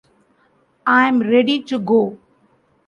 I'm ready to go.